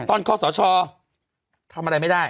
ตอนข้อสาวชอบทำอะไรไม่ได้